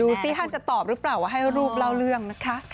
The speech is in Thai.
ซิท่านจะตอบหรือเปล่าว่าให้รูปเล่าเรื่องนะคะ